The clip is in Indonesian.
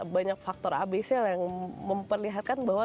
banyak faktor abesnya lah yang memperlihatkan bahwa